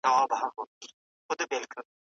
دوبي کي خلک په کور نه کښېني.